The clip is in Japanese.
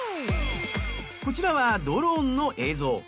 こちらはドローンの映像。